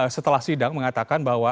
setelah sidang mengatakan bahwa